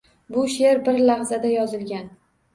Bu she’r bir lahzada yozilgan.